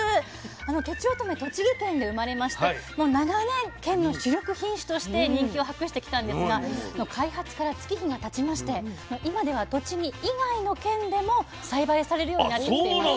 とちおとめ栃木県で生まれましてもう長年県の主力品種として人気を博してきたんですが開発から月日がたちまして今では栃木以外の県でも栽培されるようになってきています。